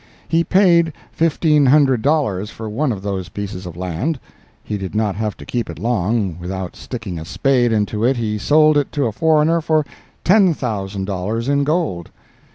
He paid fifteen hundred dollars for one of those pieces of land—he did not have to keep it long, without sticking a spade into it he sold it to a foreigner for ten thousand dollars in gold.